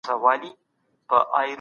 بې ايماني يې لامل بولي.